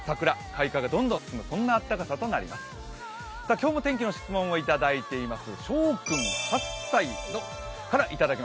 今日も天気の質問をいただいています。